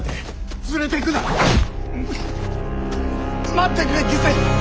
待ってくれ義仙！